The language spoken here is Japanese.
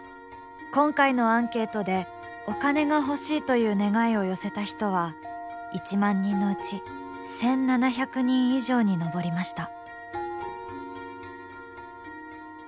今回のアンケートで「お金が欲しい」という願いを寄せた人は１万人のうち１７００人以上に上りました。